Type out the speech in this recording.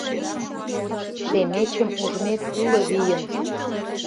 Шемечым ужмек, уло вийын